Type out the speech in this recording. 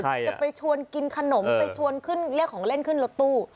จะไปเชิญกินขนมไปเรียกของเล่นขึ้นรถตู้